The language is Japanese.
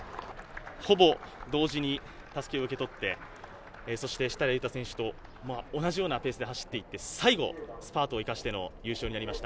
ほぼ同時にたすきを受け取って、そして設楽悠太選手と同じようなペースで走って行って、最後、スパートを生かしての優勝でした。